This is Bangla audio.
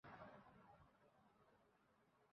এখন পর্যন্ত জিপিএস চালু করতে হলে ঘরের বাইরে বের হতে হয়।